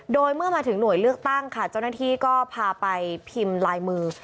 โดยเมื่อมาถึงหน่วยเลือกตั้งค่ะเจ้าหน้าที่ก็พาไปพิมพ์ลายมือ